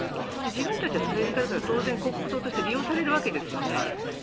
自分たちは政治家だから当然、広告塔として利用されるわけですよね。